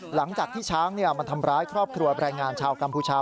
หลังจากที่ช้างมันทำร้ายครอบครัวแรงงานชาวกัมพูชา